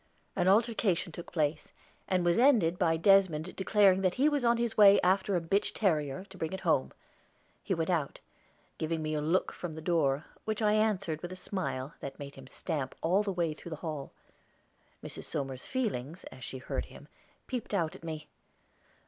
An altercation took place, and was ended by Desmond declaring that he was on his way after a bitch terrier, to bring it home. He went out, giving me a look from the door, which I answered with a smile that made him stamp all the way through the hall. Mrs. Somers's feelings as she heard him peeped out at me.